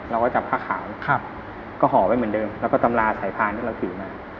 เราก็จับผ้าขาวก็ห่อไว้เหมือนเดิมแล้วก็ตำราสายพานที่เราถือมา